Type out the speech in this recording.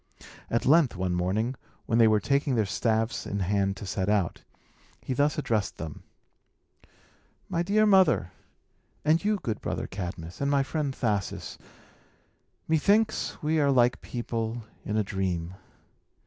At length, one morning, when they were taking their staffs in hand to set out, he thus addressed them: "My dear mother, and you good brother Cadmus, and my friend Thasus, methinks we are like people in a dream.